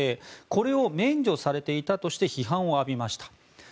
これを免除されていたとして批判を浴びました。